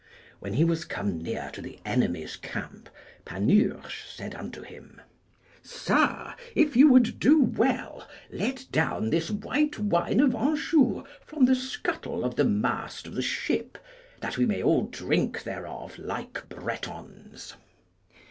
When he was come near to the enemy's camp, Panurge said unto him, Sir, if you would do well, let down this white wine of Anjou from the scuttle of the mast of the ship, that we may all drink thereof, like Bretons.